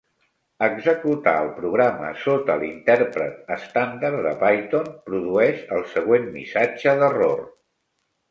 Executar el programa sota l'intèrpret estàndard de Python produeix el següent missatge d'error.